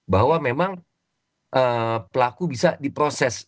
bahwa memang pelaku bisa diproses